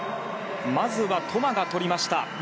まずはトマがとりました。